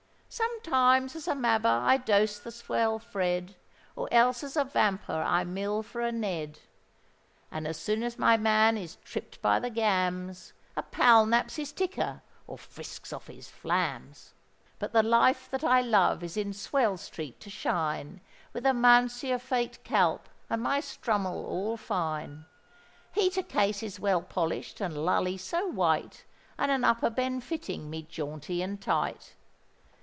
Sometimes as a mabber I dose the swell fred;— Or else as a vamper I mill for a ned; And as soon as my man is tripp'd by the gams, A pal knaps his ticker, or frisks off his flamms. But the life that I love is in Swell street to shine, With a Mounseer fak'd calp, and my strummel all fine, Heater cases well polish'd, and lully so white, And an upper ben fitting me jaunty and tight.